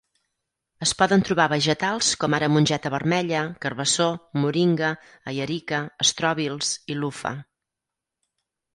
Es poden trobar vegetals, com ara mongeta vermella, carbassó, moringa, aierika, estròbils i luffa.